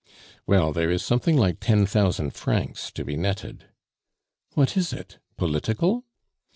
"Well, there is something like ten thousand francs to be netted." "What is it? Political?"